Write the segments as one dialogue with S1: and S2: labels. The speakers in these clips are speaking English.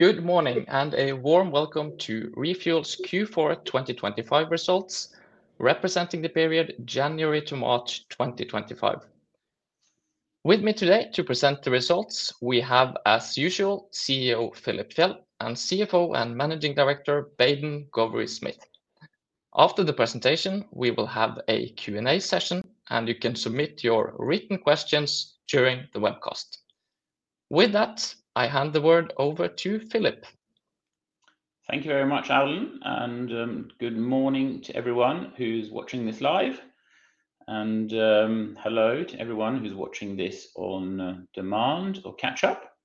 S1: Good morning and a warm welcome to ReFuels Q4 2025 results, representing the period January to March 2025. With me today to present the results, we have, as usual, CEO Philip Fjeld and CFO and Managing Director Baden Gowrie-Smith. After the presentation, we will have a Q&A session, and you can submit your written questions during the webcast. With that, I hand the word over to Philip.
S2: Thank you very much, Aulan, and good morning to everyone who's watching this live. Hello to everyone who's watching this on demand or catch-up.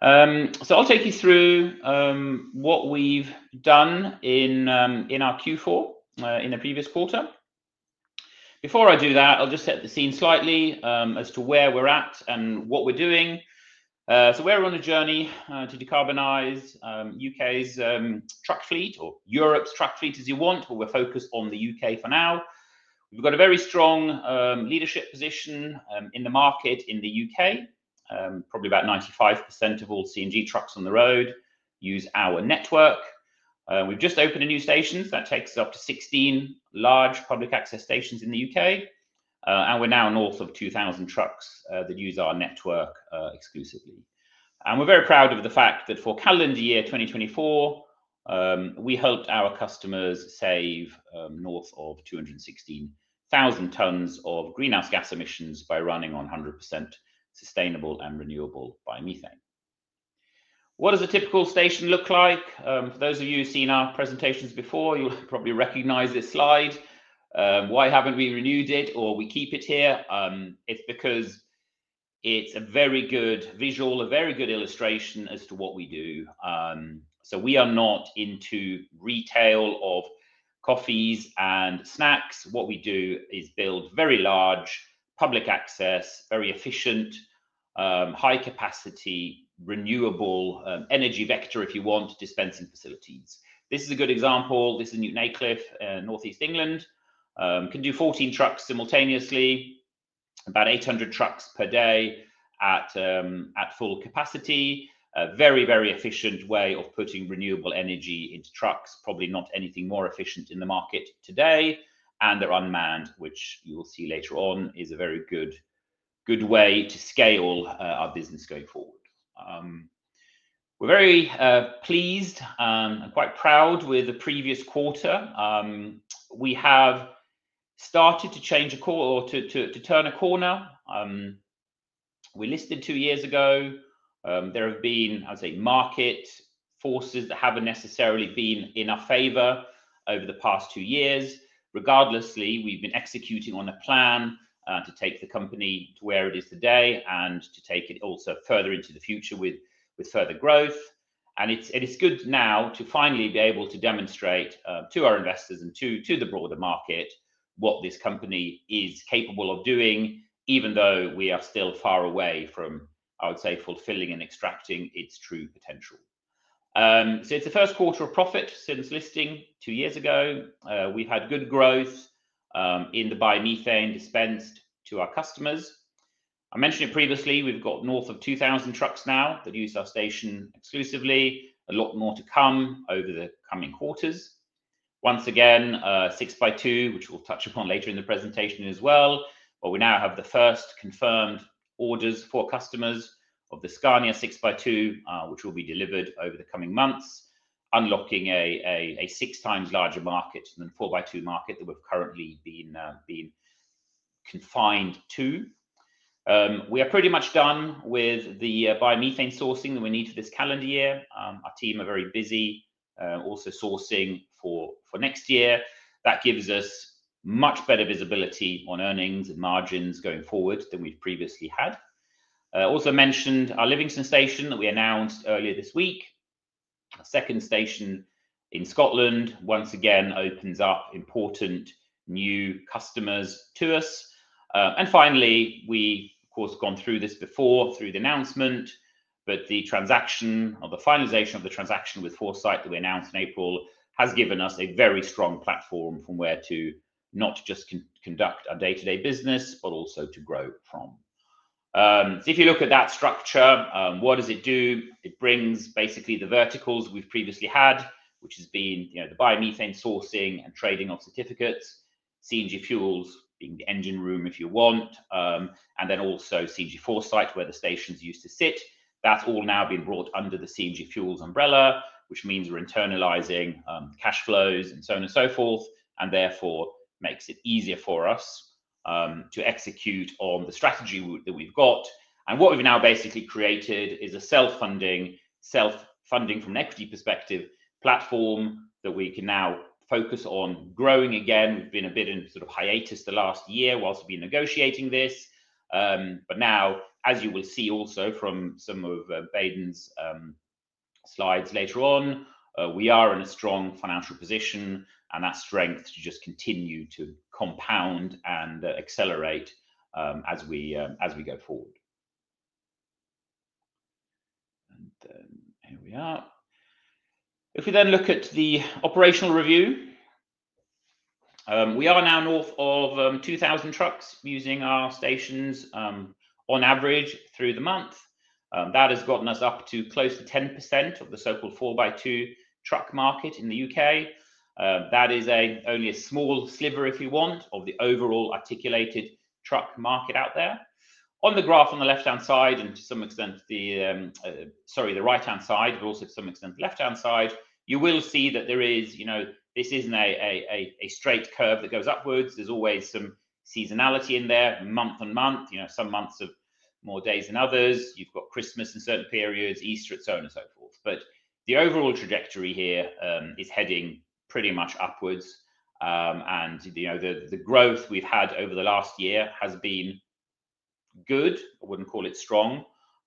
S2: I'll take you through what we've done in our Q4 in the previous quarter. Before I do that, I'll just set the scene slightly as to where we're at and what we're doing. We're on a journey to decarbonize the U.K.'s truck fleet, or Europe's truck fleet, as you want, but we're focused on the U.K. for now. We've got a very strong leadership position in the market in the U.K. Probably about 95% of all CNG trucks on the road use our network. We've just opened a new station. That takes us up to 16 large public access stations in the U.K. We're now north of 2,000 trucks that use our network exclusively. We are very proud of the fact that for calendar year 2024, we helped our customers save north of 216,000 tons of greenhouse gas emissions by running on 100% sustainable and renewable biomethane. What does a typical station look like? For those of you who have seen our presentations before, you will probably recognize this slide. Why have we not renewed it or we keep it here? It is because it is a very good visual, a very good illustration as to what we do. We are not into retail of coffees and snacks. What we do is build very large public access, very efficient, high-capacity renewable energy vector, if you want, dispensing facilities. This is a good example. This is New Cliff, Northeast England. Can do 14 trucks simultaneously, about 800 trucks per day at full capacity. A very, very efficient way of putting renewable energy into trucks, probably not anything more efficient in the market today. They are unmanned, which you will see later on, is a very good way to scale our business going forward. We are very pleased and quite proud with the previous quarter. We have started to turn a corner. We listed two years ago. There have been, I would say, market forces that have not necessarily been in our favor over the past two years. Regardless, we have been executing on a plan to take the company to where it is today and to take it also further into the future with further growth. It is good now to finally be able to demonstrate to our investors and to the broader market what this company is capable of doing, even though we are still far away from, I would say, fulfilling and extracting its true potential. It is the first quarter of profit since listing two years ago. We have had good growth in the biomethane dispensed to our customers. I mentioned it previously. We have got north of 2,000 trucks now that use our station exclusively. A lot more to come over the coming quarters. Once again, 6x2, which we will touch upon later in the presentation as well. We now have the first confirmed orders for customers of the Scania 6x2, which will be delivered over the coming months, unlocking a six times larger market than the 4x2 market that we have currently been confined to. We are pretty much done with the biomethane sourcing that we need for this calendar year. Our team are very busy also sourcing for next year. That gives us much better visibility on earnings and margins going forward than we've previously had. Also mentioned our Livingston station that we announced earlier this week. Our second station in Scotland once again opens up important new customers to us. Finally, we've of course gone through this before through the announcement, but the transaction or the finalization of the transaction with Foresight that we announced in April has given us a very strong platform from where to not just conduct our day-to-day business, but also to grow from. If you look at that structure, what does it do? It brings basically the verticals we've previously had, which has been the biomethane sourcing and trading of certificates, CNG Fuels being the engine room, if you want, and then also CNG Foresight, where the stations used to sit. That is all now been brought under the CNG Fuels umbrella, which means we're internalizing cash flows and so on and so forth, and therefore makes it easier for us to execute on the strategy that we've got. What we've now basically created is a self-funding, self-funding from an equity perspective platform that we can now focus on growing again. We've been a bit in sort of hiatus the last year whilst we've been negotiating this. As you will see also from some of Baden's slides later on, we are in a strong financial position and that strength to just continue to compound and accelerate as we go forward. Here we are. If we then look at the operational review, we are now north of 2,000 trucks using our stations on average through the month. That has gotten us up to close to 10% of the so-called 4x2 truck market in the U.K. That is only a small sliver, if you want, of the overall articulated truck market out there. On the graph on the left-hand side and to some extent, sorry, the right-hand side, but also to some extent the left-hand side, you will see that there is, you know, this is not a straight curve that goes upwards. There is always some seasonality in there, month and month, you know, some months have more days than others. You have Christmas in certain periods, Easter, so on and so forth. The overall trajectory here is heading pretty much upwards. The growth we've had over the last year has been good. I wouldn't call it strong,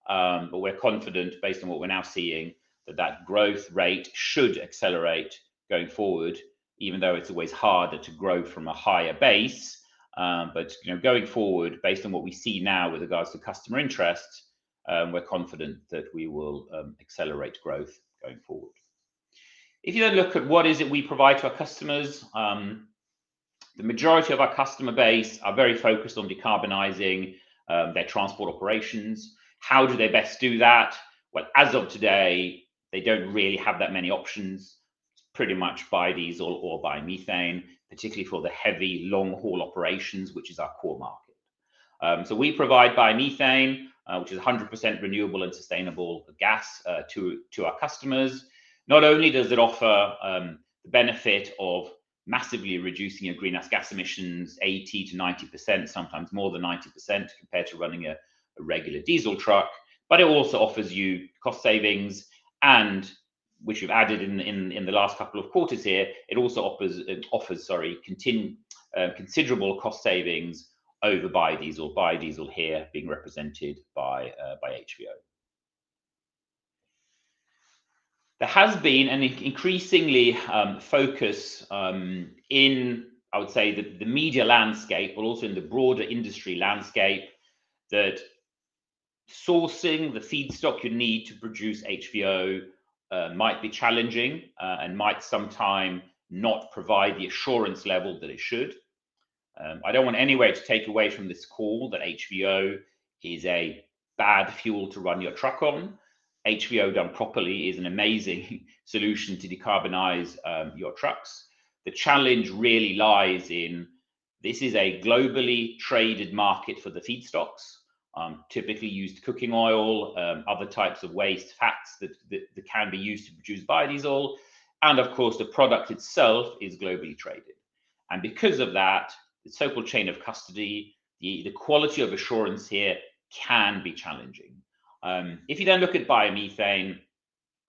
S2: but we're confident based on what we're now seeing that that growth rate should accelerate going forward, even though it's always harder to grow from a higher base. Going forward, based on what we see now with regards to customer interest, we're confident that we will accelerate growth going forward. If you then look at what is it we provide to our customers, the majority of our customer base are very focused on decarbonizing their transport operations. How do they best do that? As of today, they don't really have that many options, pretty much biodiesel or biomethane, particularly for the heavy long-haul operations, which is our core market. We provide biomethane, which is 100% renewable and sustainable gas to our customers. Not only does it offer the benefit of massively reducing your greenhouse gas emissions 80-90%, sometimes more than 90% compared to running a regular diesel truck, but it also offers you cost savings, which we've added in the last couple of quarters here. It also offers, sorry, considerable cost savings over biodiesel, biodiesel here being represented by HVO. There has been an increasing focus in, I would say, the media landscape, but also in the broader industry landscape that sourcing the feedstock you need to produce HVO might be challenging and might sometime not provide the assurance level that it should. I don't want any way to take away from this call that HVO is a bad fuel to run your truck on. HVO done properly is an amazing solution to decarbonize your trucks. The challenge really lies in this is a globally traded market for the feedstocks, typically used cooking oil, other types of waste, fats that can be used to produce biodiesel. Of course, the product itself is globally traded. Because of that, the so-called chain of custody, the quality of assurance here can be challenging. If you then look at biomethane,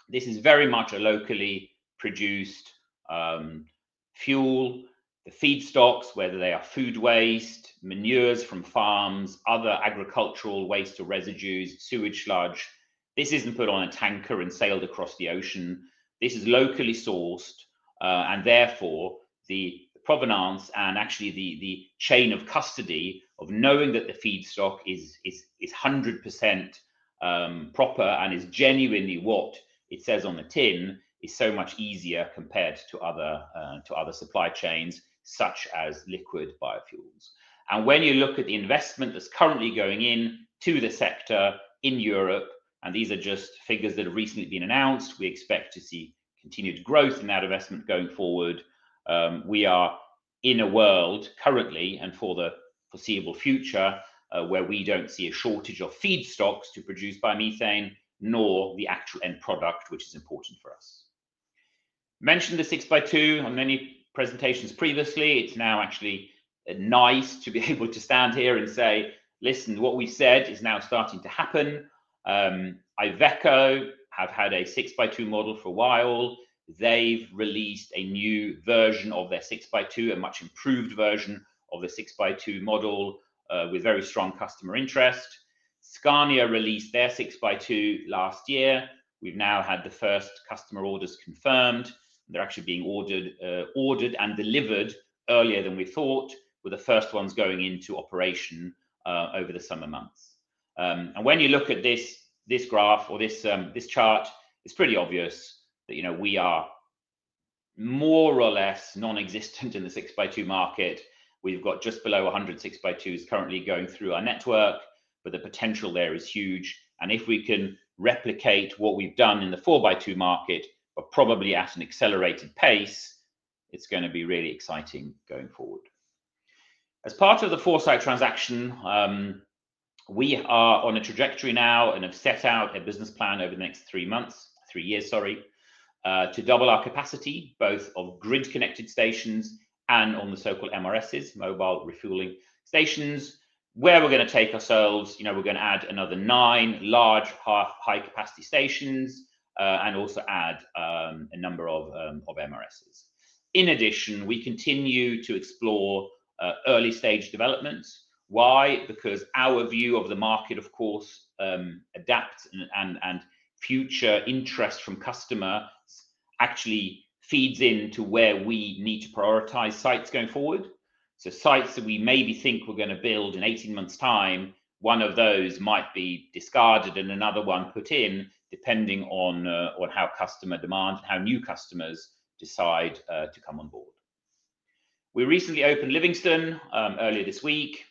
S2: this is very much a locally produced fuel. The feedstocks, whether they are food waste, manures from farms, other agricultural waste or residues, sewage sludge, this is not put on a tanker and sailed across the ocean. This is locally sourced. Therefore, the provenance and actually the chain of custody of knowing that the feedstock is 100% proper and is genuinely what it says on the tin is so much easier compared to other supply chains such as liquid biofuels. When you look at the investment that's currently going into the sector in Europe, and these are just figures that have recently been announced, we expect to see continued growth in that investment going forward. We are in a world currently and for the foreseeable future where we don't see a shortage of feedstocks to produce biomethane, nor the actual end product, which is important for us. Mentioned the 6x2 on many presentations previously. It's now actually nice to be able to stand here and say, listen, what we've said is now starting to happen. Iveco have had a 6x2 model for a while. They've released a new version of their 6x2, a much improved version of the 6x2 model with very strong customer interest. Scania released their 6x2 last year. We've now had the first customer orders confirmed. They're actually being ordered and delivered earlier than we thought, with the first ones going into operation over the summer months. When you look at this graph or this chart, it's pretty obvious that we are more or less non-existent in the 6x2 market. We've got just below 100 6x2s currently going through our network, but the potential there is huge. If we can replicate what we've done in the 4x2 market, but probably at an accelerated pace, it's going to be really exciting going forward. As part of the Foresight transaction, we are on a trajectory now and have set out a business plan over the next three years to double our capacity, both of grid-connected stations and on the so-called MRSs, mobile refueling stations, where we're going to take ourselves. We're going to add another nine large high-capacity stations and also add a number of MRSs. In addition, we continue to explore early-stage developments. Why? Because our view of the market, of course, adapts and future interest from customers actually feeds into where we need to prioritize sites going forward. Sites that we maybe think we're going to build in 18 months' time, one of those might be discarded and another one put in, depending on how customer demand and how new customers decide to come on board. We recently opened Livingston earlier this week.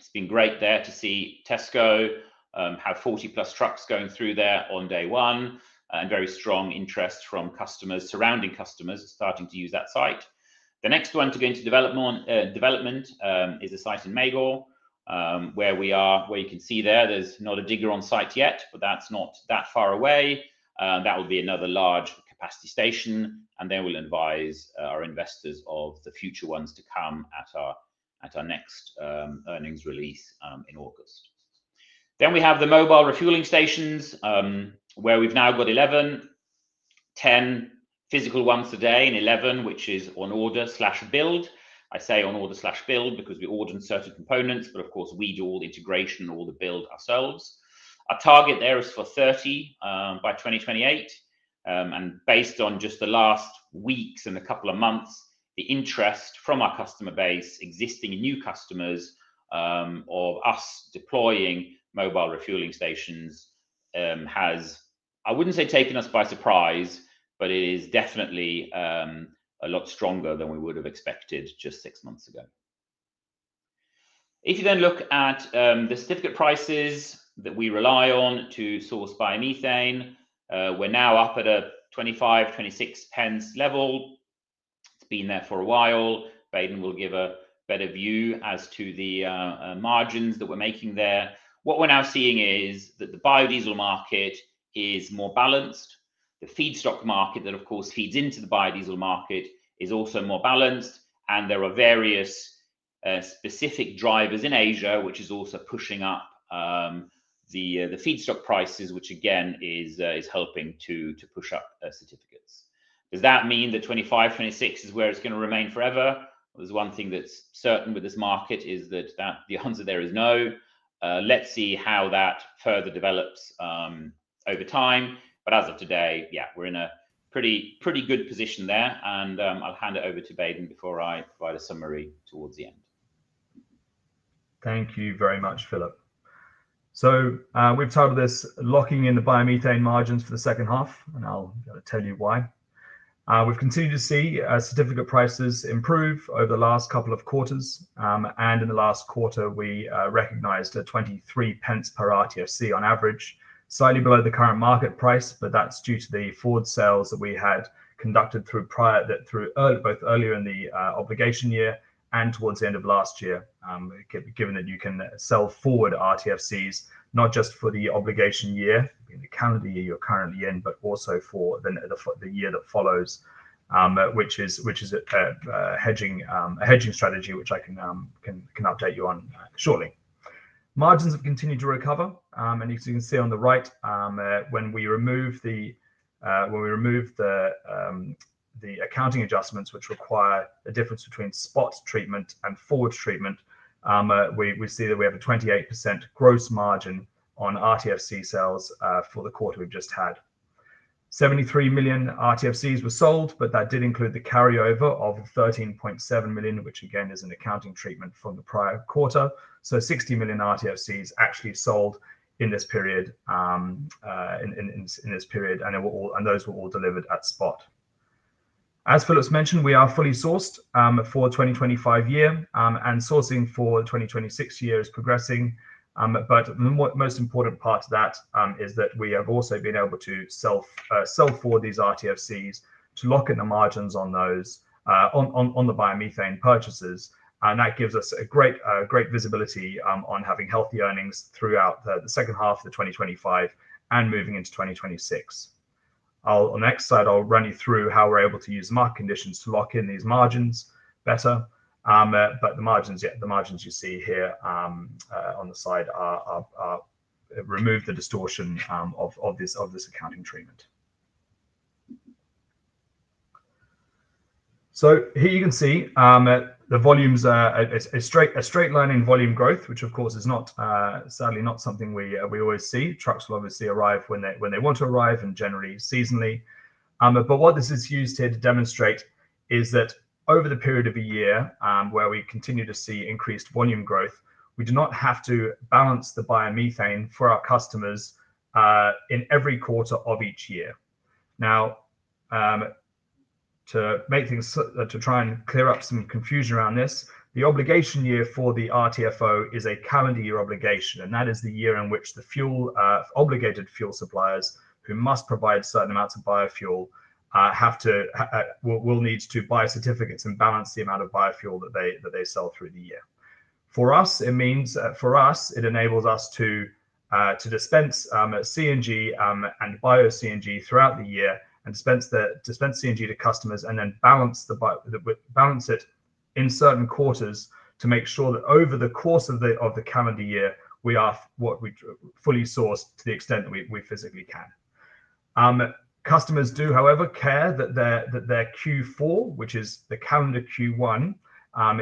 S2: It's been great there to see Tesco have 40 plus trucks going through there on day one and very strong interest from customers, surrounding customers starting to use that site. The next one to go into development is a site in Magor, where we are, where you can see there, there's not a digger on site yet, but that's not that far away. That will be another large capacity station. We will advise our investors of the future ones to come at our next earnings release in August. We have the mobile refueling stations where we've now got 11, 10 physical ones today and 11, which is on order slash build. I say on order slash build because we ordered certain components, but of course, we do all the integration and all the build ourselves. Our target there is for 30 by 2028. Based on just the last weeks and a couple of months, the interest from our customer base, existing and new customers of us deploying mobile refueling stations has, I would not say taken us by surprise, but it is definitely a lot stronger than we would have expected just six months ago. If you then look at the certificate prices that we rely on to source biomethane, we are now up at a 0.25-0.26 level. It has been there for a while. Baden will give a better view as to the margins that we are making there. What we are now seeing is that the biodiesel market is more balanced. The feedstock market that, of course, feeds into the biodiesel market is also more balanced. There are various specific drivers in Asia, which is also pushing up the feedstock prices, which again is helping to push up certificates. Does that mean that 2025, 2026 is where it's going to remain forever? There's one thing that's certain with this market is that the answer there is no. Let's see how that further develops over time. As of today, yeah, we're in a pretty good position there. I'll hand it over to Baden before I provide a summary towards the end.
S3: Thank you very much, Philip. We've titled this Locking in the Biomethane Margins for the Second Half, and I'll tell you why. We've continued to see certificate prices improve over the last couple of quarters. In the last quarter, we recognized 0.23 per RTFC on average, slightly below the current market price, but that's due to the forward sales that we had conducted both earlier in the obligation year and towards the end of last year, given that you can sell forward RTFCs not just for the obligation year, the calendar year you're currently in, but also for the year that follows, which is a hedging strategy, which I can update you on shortly. Margins have continued to recover. As you can see on the right, when we remove the accounting adjustments, which require a difference between spot treatment and forward treatment, we see that we have a 28% gross margin on RTFC sales for the quarter we've just had. 73 million RTFCs were sold, but that did include the carryover of 13.7 million, which again is an accounting treatment from the prior quarter. So 60 million RTFCs actually sold in this period, and those were all delivered at spot. As Philip's mentioned, we are fully sourced for 2025 year, and sourcing for 2026 year is progressing. The most important part of that is that we have also been able to sell forward these RTFCs to lock in the margins on the biomethane purchases. That gives us great visibility on having healthy earnings throughout the second half of 2025 and moving into 2026. On the next slide, I'll run you through how we're able to use market conditions to lock in these margins better. The margins you see here on the side remove the distortion of this accounting treatment. Here you can see the volumes, a straight line in volume growth, which of course is not, sadly, not something we always see. Trucks will obviously arrive when they want to arrive and generally seasonally. What this is used here to demonstrate is that over the period of a year where we continue to see increased volume growth, we do not have to balance the biomethane for our customers in every quarter of each year. Now, to try and clear up some confusion around this, the obligation year for the RTFO is a calendar year obligation. That is the year in which the obligated fuel suppliers who must provide certain amounts of biofuel will need to buy certificates and balance the amount of biofuel that they sell through the year. For us, it means it enables us to dispense CNG and Bio-CNG throughout the year and dispense CNG to customers and then balance it in certain quarters to make sure that over the course of the calendar year, we are fully sourced to the extent that we physically can. Customers do, however, care that their Q4, which is the calendar Q1,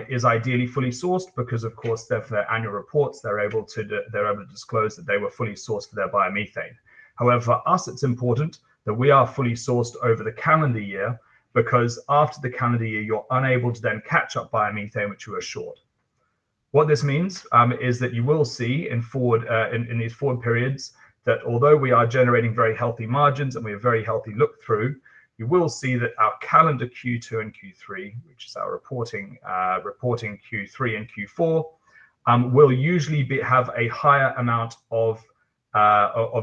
S3: is ideally fully sourced because, of course, of their annual reports, they are able to disclose that they were fully sourced for their biomethane. However, for us, it is important that we are fully sourced over the calendar year because after the calendar year, you are unable to then catch up biomethane, which you are short. What this means is that you will see in these forward periods that although we are generating very healthy margins and we have very healthy look-through, you will see that our calendar Q2 and Q3, which is our reporting Q3 and Q4, will usually have a higher amount of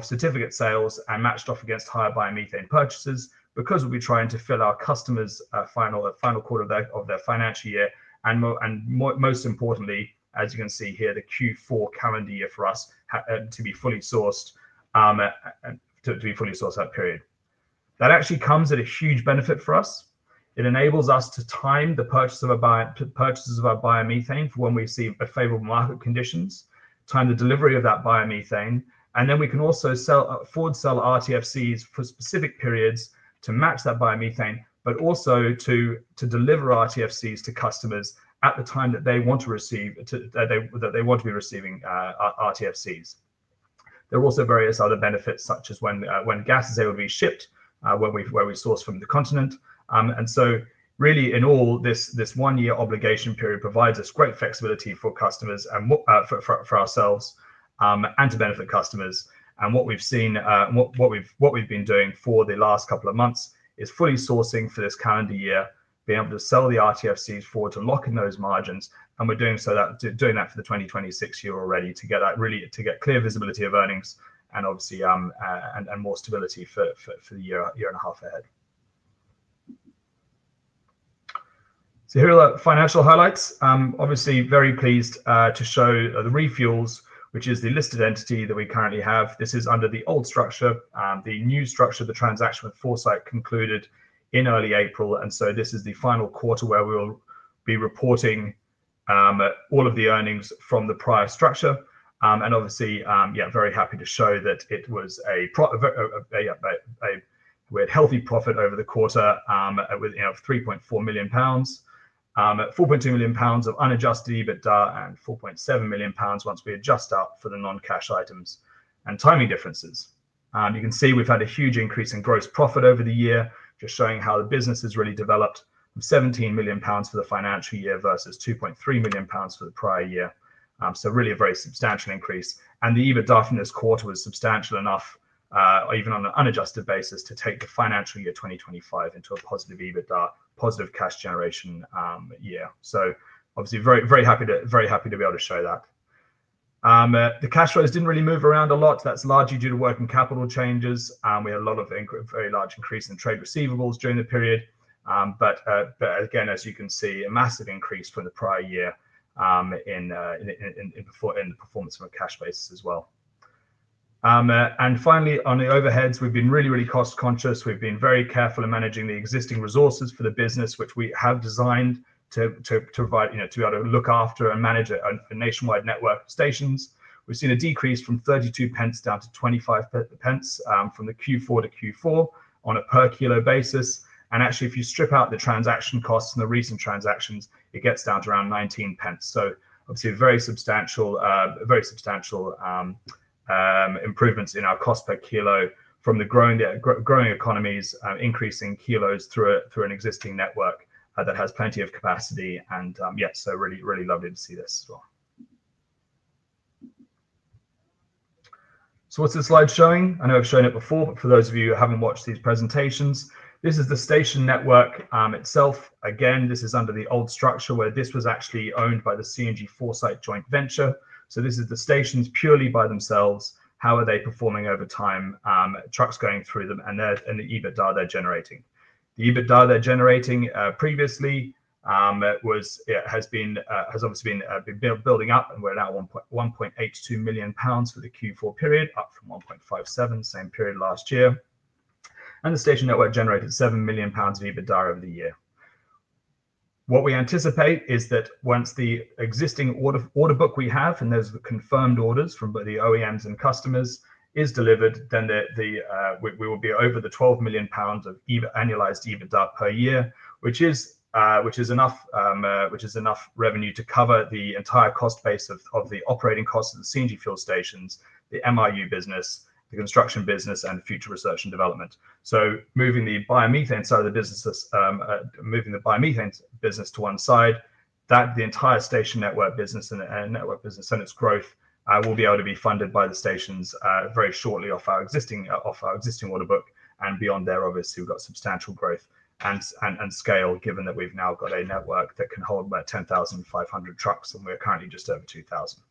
S3: certificate sales and matched off against higher biomethane purchases because we will be trying to fill our customers' final quarter of their financial year. Most importantly, as you can see here, the Q4 calendar year for us to be fully sourced, to be fully sourced that period. That actually comes at a huge benefit for us. It enables us to time the purchases of our biomethane for when we see favorable market conditions, time the delivery of that biomethane, and then we can also forward sell RTFCs for specific periods to match that biomethane, but also to deliver RTFCs to customers at the time that they want to receive, that they want to be receiving RTFCs. There are also various other benefits, such as when gas is able to be shipped where we source from the continent. In all, this one-year obligation period provides us great flexibility for customers and for ourselves and to benefit customers. What we've seen, what we've been doing for the last couple of months is fully sourcing for this calendar year, being able to sell the RTFCs forward to lock in those margins. We're doing that for the 2026 year already to get clear visibility of earnings and obviously more stability for the year and a half ahead. Here are the financial highlights. Obviously, very pleased to show the ReFuels, which is the listed entity that we currently have. This is under the old structure. The new structure, the transaction with Foresight, concluded in early April. This is the final quarter where we will be reporting all of the earnings from the prior structure. Obviously, very happy to show that we had healthy profit over the quarter of 3.4 million pounds, 4.2 million pounds of unadjusted EBITDA, and 4.7 million pounds once we adjust out for the non-cash items and timing differences. You can see we've had a huge increase in gross profit over the year, just showing how the business has really developed from 17 million pounds for the financial year versus 2.3 million pounds for the prior year. Really a very substantial increase. The EBITDA from this quarter was substantial enough, even on an unadjusted basis, to take the financial year 2025 into a positive EBITDA, positive cash generation year. Obviously, very happy to be able to show that. The cash flows did not really move around a lot. That is largely due to working capital changes. We had a very large increase in trade receivables during the period. Again, as you can see, a massive increase from the prior year in the performance of our cash basis as well. Finally, on the overheads, we've been really, really cost-conscious. We've been very careful in managing the existing resources for the business, which we have designed to be able to look after and manage a nationwide network of stations. We've seen a decrease from 0.32 down to 0.25 from the Q4 to Q4 on a per kilo basis. Actually, if you strip out the transaction costs and the recent transactions, it gets down to around 0.19. Obviously, very substantial improvements in our cost per kilo from the growing economies, increasing kilos through an existing network that has plenty of capacity. Yes, really, really lovely to see this as well. What's this slide showing? I know I've shown it before, but for those of you who haven't watched these presentations, this is the station network itself. Again, this is under the old structure where this was actually owned by the CNG Foresight Joint Venture. This is the stations purely by themselves, how are they performing over time, trucks going through them, and the EBITDA they are generating. The EBITDA they are generating previously has obviously been building up and we are now at 1.82 million pounds for the Q4 period, up from 1.57 million, same period last year. The station network generated 7 million pounds of EBITDA over the year. What we anticipate is that once the existing order book we have and those confirmed orders from the OEMs and customers is delivered, we will be over the 12 million pounds of annualized EBITDA per year, which is enough revenue to cover the entire cost base of the operating costs of the CNG Fuels stations, the MRS business, the construction business, and future research and development. Moving the biomethane side of the business, moving the biomethane business to one side, the entire station network business and its growth will be able to be funded by the stations very shortly off our existing order book. Beyond there, obviously, we have substantial growth and scale, given that we now have a network that can hold about 10,500 trucks, and we are currently just over 2,000.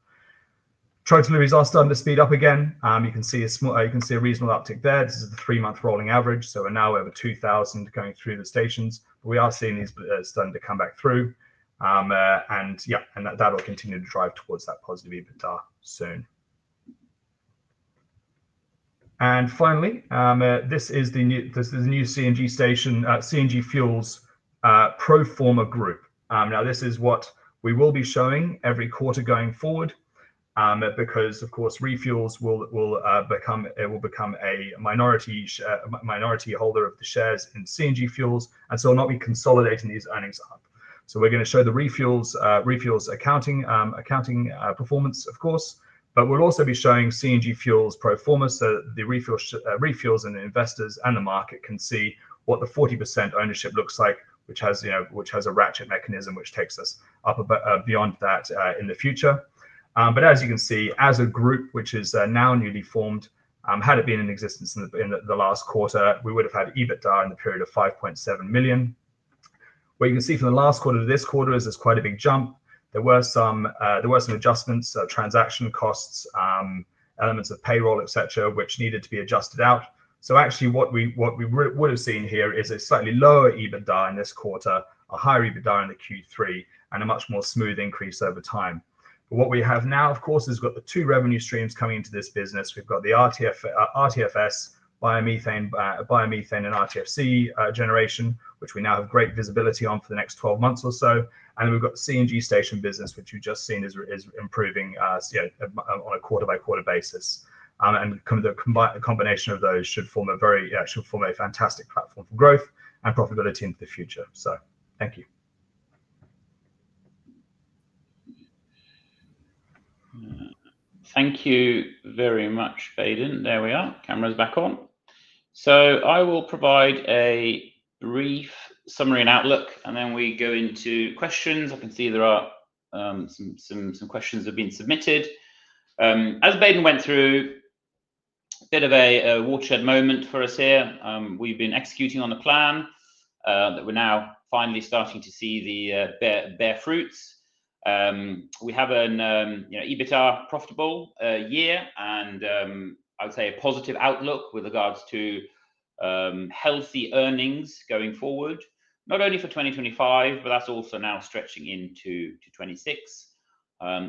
S3: Trucks and lorries are starting to speed up again. You can see a reasonable uptick there. This is the three-month rolling average. We are now over 2,000 going through the stations. We are seeing these starting to come back through. Yeah, that will continue to drive towards that positive EBITDA soon. Finally, this is the new CNG Fuels pro forma group. Now, this is what we will be showing every quarter going forward because, of course, ReFuels will become a minority holder of the shares in CNG Fuels. And so we'll not be consolidating these earnings up. We are going to show the ReFuels accounting performance, of course. We will also be showing CNG Fuels pro forma so that the ReFuels and the investors and the market can see what the 40% ownership looks like, which has a ratchet mechanism which takes us up beyond that in the future. As you can see, as a group, which is now newly formed, had it been in existence in the last quarter, we would have had EBITDA in the period of 5.7 million. What you can see from the last quarter to this quarter is there's quite a big jump. There were some adjustments, transaction costs, elements of payroll, etc., which needed to be adjusted out. Actually, what we would have seen here is a slightly lower EBITDA in this quarter, a higher EBITDA in Q3, and a much more smooth increase over time. What we have now, of course, is we have got the two revenue streams coming into this business. We have got the RTFCs, biomethane, and RTFC generation, which we now have great visibility on for the next 12 months or so. Then we have got the CNG station business, which you have just seen is improving on a quarter-by-quarter basis. The combination of those should form a fantastic platform for growth and profitability into the future. Thank you.
S2: Thank you very much, Baden Gowrie-Smith. There we are. Camera's back on. I will provide a brief summary and outlook, and then we go into questions. I can see there are some questions that have been submitted. As Baden went through, a bit of a watershed moment for us here. We have been executing on the plan that we are now finally starting to see the bare fruits. We have an EBITDA profitable year, and I would say a positive outlook with regards to healthy earnings going forward, not only for 2025, but that is also now stretching into 2026.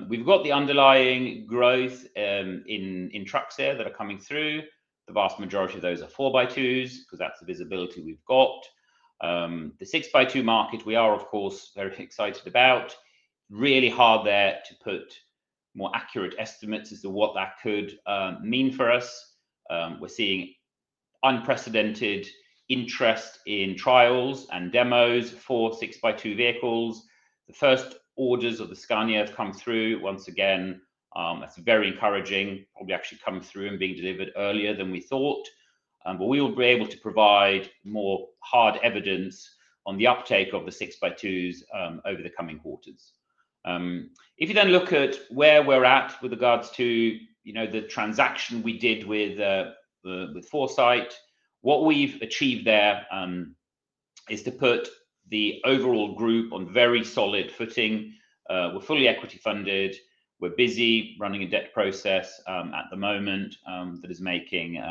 S2: We have got the underlying growth in trucks here that are coming through. The vast majority of those are 4x2s because that is the visibility we have got. The 6x2 market, we are, of course, very excited about. Really hard there to put more accurate estimates as to what that could mean for us. We are seeing unprecedented interest in trials and demos for 6x2 vehicles. The first orders of the Scania have come through once again. That is very encouraging. Probably actually come through and being delivered earlier than we thought. We will be able to provide more hard evidence on the uptake of the 6x2s over the coming quarters. If you then look at where we are at with regards to the transaction we did with Foresight, what we have achieved there is to put the overall group on very solid footing. We are fully equity funded. We are busy running a debt process at the moment that is making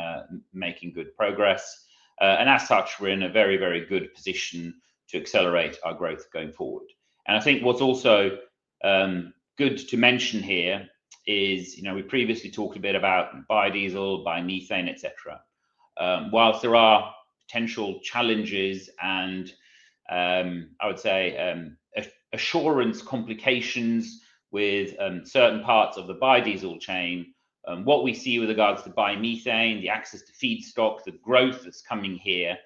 S2: good progress. As such, we are in a very, very good position to accelerate our growth going forward. I think what is also good to mention here is we previously talked a bit about biodiesel, biomethane, etc. Whilst there are potential challenges and, I would say, assurance complications with certain parts of the biodiesel chain, what we see with regards to biomethane, the access to feedstock, the growth that's coming here,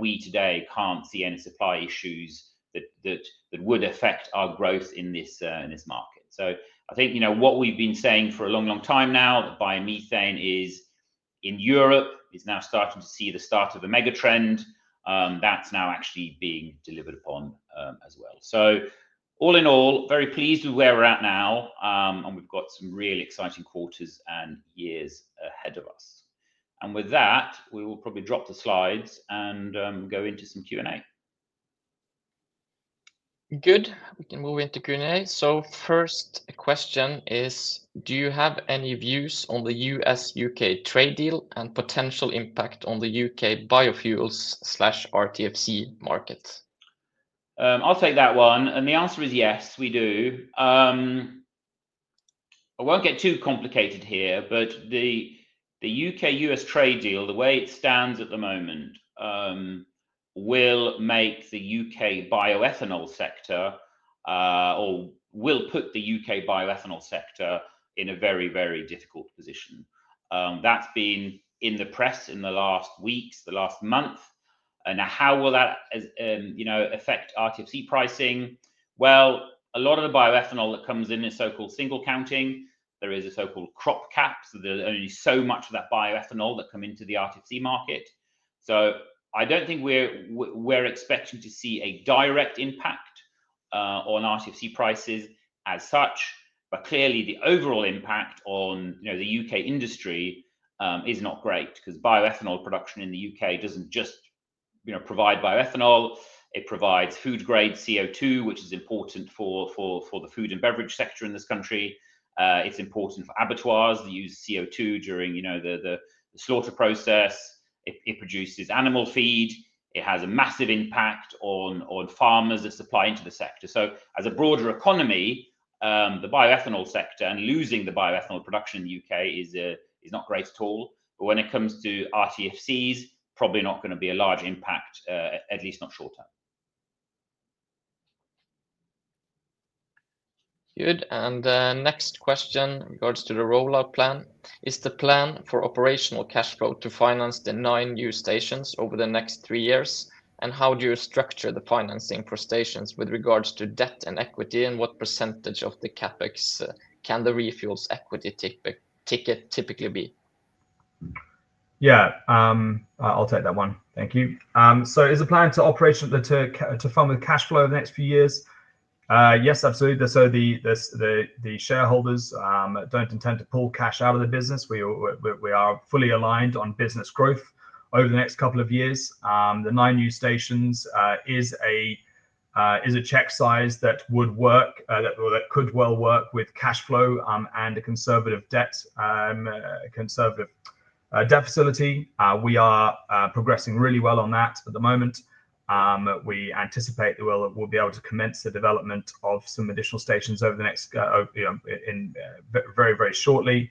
S2: we today can't see any supply issues that would affect our growth in this market. I think what we've been saying for a long, long time now, that biomethane in Europe is now starting to see the start of a megatrend. That's now actually being delivered upon as well. All in all, very pleased with where we're at now, and we've got some really exciting quarters and years ahead of us. With that, we will probably drop the slides and go into some Q&A.
S1: Good. We can move into Q&A. First, a question is, do you have any views on the U.S.-U.K. trade deal and potential impact on the U.K. biofuels/RTFC market?
S2: I'll take that one. The answer is yes, we do. I won't get too complicated here, but the U.K.-U.S. trade deal, the way it stands at the moment, will make the U.K. bioethanol sector or will put the U.K. bioethanol sector in a very, very difficult position. That's been in the press in the last weeks, the last month. How will that affect RTFC pricing? A lot of the bioethanol that comes in is so-called single counting. There is a so-called crop cap. There's only so much of that bioethanol that comes into the RTFC market. I don't think we're expecting to see a direct impact on RTFC prices as such. Clearly, the overall impact on the U.K. industry is not great because bioethanol production in the U.K. doesn't just provide bioethanol. It provides food-grade CO2, which is important for the food and beverage sector in this country. It's important for abattoirs that use CO2 during the slaughter process. It produces animal feed. It has a massive impact on farmers that supply into the sector. As a broader economy, the bioethanol sector and losing the bioethanol production in the U.K. is not great at all. When it comes to RTFCs, probably not going to be a large impact, at least not short term.
S1: Good. Next question in regards to the rollout plan. Is the plan for operational cash flow to finance the nine new stations over the next three years? How do you structure the financing for stations with regards to debt and equity? What percentage of the CapEx can the ReFuels equity ticket typically be?
S3: Yeah, I'll take that one. Thank you. Is the plan to operate to fund the cash flow over the next few years? Yes, absolutely. The shareholders do not intend to pull cash out of the business. We are fully aligned on business growth over the next couple of years. The nine new stations is a check size that would work, that could well work with cash flow and a conservative debt facility. We are progressing really well on that at the moment. We anticipate that we will be able to commence the development of some additional stations very, very shortly.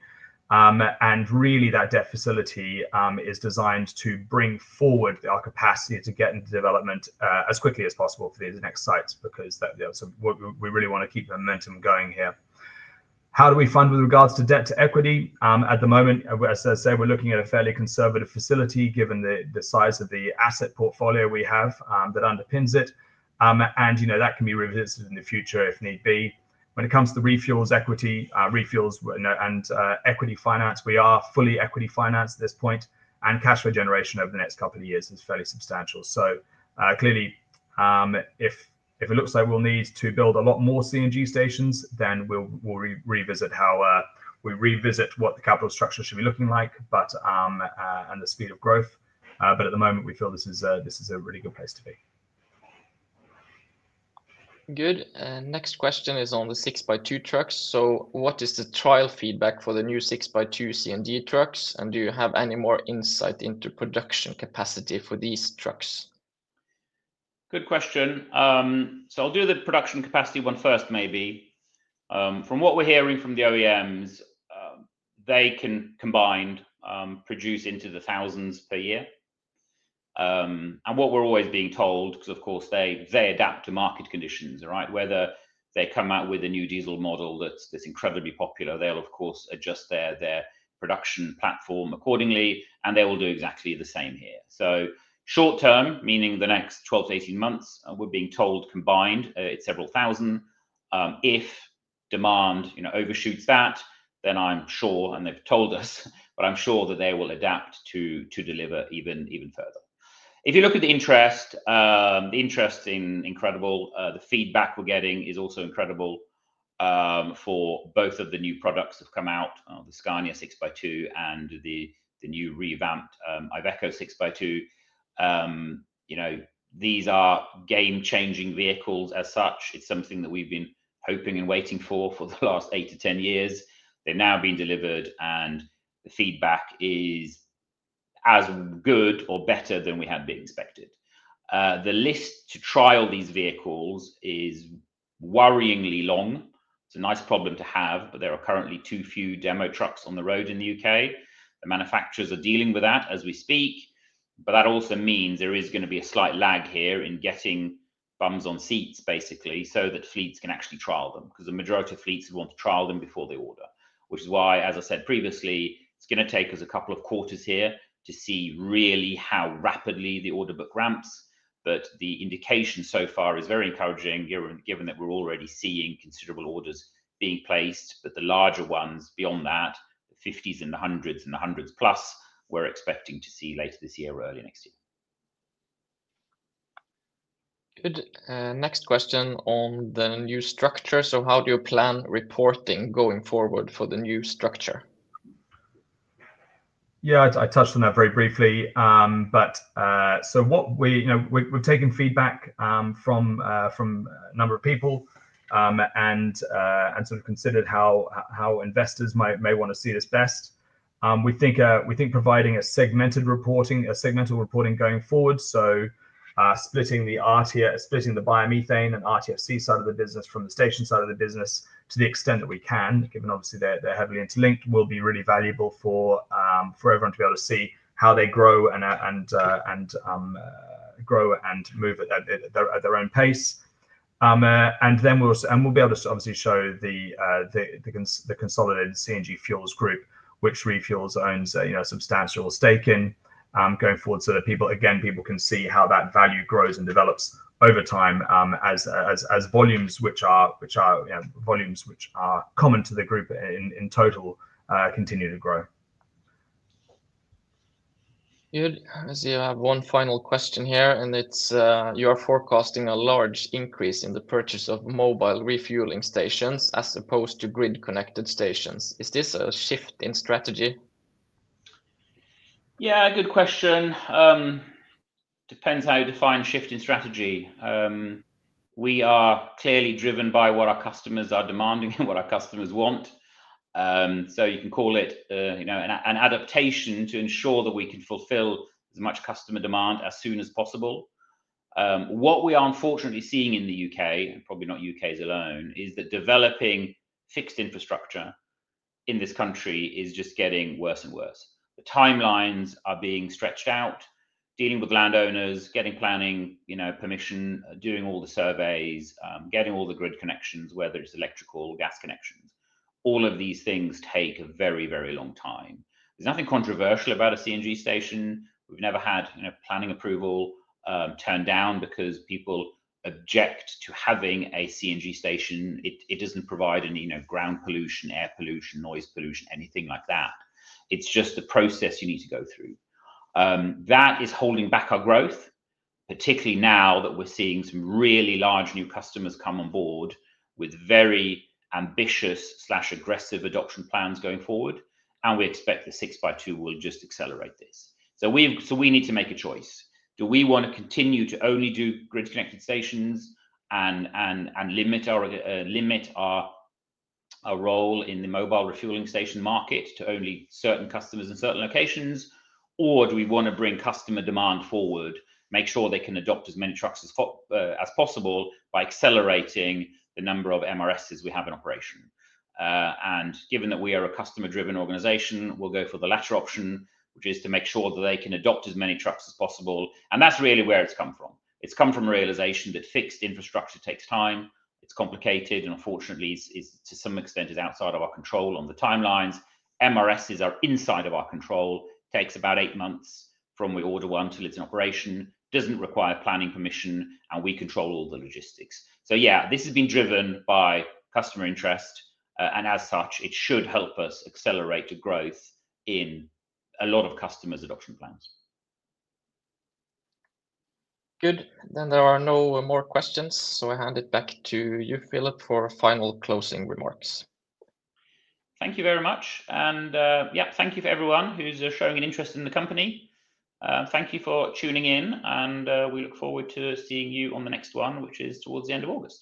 S3: That debt facility is designed to bring forward our capacity to get into development as quickly as possible for these next sites because we really want to keep the momentum going here. How do we fund with regards to debt to equity? At the moment, as I say, we're looking at a fairly conservative facility given the size of the asset portfolio we have that underpins it. That can be revisited in the future if need be. When it comes to ReFuels equity, ReFuels and equity finance, we are fully equity financed at this point. Cash flow generation over the next couple of years is fairly substantial. Clearly, if it looks like we'll need to build a lot more CNG stations, then we'll revisit how we revisit what the capital structure should be looking like and the speed of growth. At the moment, we feel this is a really good place to be.
S1: Good. Next question is on the 6x2 trucks. What is the trial feedback for the new 6x2 CNG trucks? Do you have any more insight into production capacity for these trucks?
S2: Good question. I'll do the production capacity one first, maybe. From what we're hearing from the OEMs, they can combined produce into the thousands per year. What we're always being told, because of course, they adapt to market conditions, right? Whether they come out with a new diesel model that's incredibly popular, they'll, of course, adjust their production platform accordingly. They will do exactly the same here. Short term, meaning the next 12-18 months, we're being told combined, it's several thousand. If demand overshoots that, then I'm sure, and they've told us, but I'm sure that they will adapt to deliver even further. If you look at the interest, the interest is incredible. The feedback we're getting is also incredible for both of the new products that have come out, the Scania 6x2 and the new revamped Iveco 6x2. These are game-changing vehicles as such. It's something that we've been hoping and waiting for for the last 8 to 10 years. They've now been delivered, and the feedback is as good or better than we had been expected. The list to trial these vehicles is worryingly long. It's a nice problem to have, but there are currently too few demo trucks on the road in the U.K. The manufacturers are dealing with that as we speak. That also means there is going to be a slight lag here in getting bums on seats, basically, so that fleets can actually trial them because the majority of fleets want to trial them before they order. Which is why, as I said previously, it's going to take us a couple of quarters here to see really how rapidly the order book ramps. The indication so far is very encouraging, given that we're already seeing considerable orders being placed. The larger ones beyond that, the 50s and the 100s and the 100s plus, we're expecting to see later this year or early next year.
S1: Good. Next question on the new structure. How do you plan reporting going forward for the new structure?
S3: Yeah, I touched on that very briefly. What we've done is taken feedback from a number of people and considered how investors may want to see this best. We think providing a segmental reporting going forward, splitting the biomethane and RTFC side of the business from the station side of the business to the extent that we can, given obviously they're heavily interlinked, will be really valuable for everyone to be able to see how they grow and move at their own pace. Then we will be able to obviously show the consolidated CNG Fuels group, which ReFuels owns a substantial stake in going forward, so that, again, people can see how that value grows and develops over time as volumes, which are volumes which are common to the group in total, continue to grow.
S1: Good. I see I have one final question here, and it is you are forecasting a large increase in the purchase of mobile refueling stations as opposed to grid-connected stations. Is this a shift in strategy?
S2: Yeah, good question. Depends how you define shift in strategy. We are clearly driven by what our customers are demanding and what our customers want. You can call it an adaptation to ensure that we can fulfill as much customer demand as soon as possible. What we are unfortunately seeing in the U.K., and probably not the U.K. alone, is that developing fixed infrastructure in this country is just getting worse and worse. The timelines are being stretched out, dealing with landowners, getting planning permission, doing all the surveys, getting all the grid connections, whether it is electrical or gas connections. All of these things take a very, very long time. There is nothing controversial about a CNG station. We have never had planning approval turned down because people object to having a CNG station. It does not provide any ground pollution, air pollution, noise pollution, anything like that. It is just the process you need to go through. That is holding back our growth, particularly now that we are seeing some really large new customers come on board with very ambitious/aggressive adoption plans going forward. We expect the 6x2 will just accelerate this. We need to make a choice. Do we want to continue to only do grid-connected stations and limit our role in the mobile refueling station market to only certain customers in certain locations? Or do we want to bring customer demand forward, make sure they can adopt as many trucks as possible by accelerating the number of MRSs we have in operation? Given that we are a customer-driven organization, we'll go for the latter option, which is to make sure that they can adopt as many trucks as possible. That's really where it's come from. It's come from a realization that fixed infrastructure takes time. It's complicated, and unfortunately, to some extent, is outside of our control on the timelines. MRSs are inside of our control. It takes about eight months from we order one until it's in operation. It doesn't require planning permission, and we control all the logistics. Yeah, this has been driven by customer interest. As such, it should help us accelerate the growth in a lot of customers' adoption plans.
S1: Good. There are no more questions. I hand it back to you, Philip, for final closing remarks.
S2: Thank you very much. Yeah, thank you for everyone who's showing an interest in the company. Thank you for tuning in, and we look forward to seeing you on the next one, which is towards the end of August.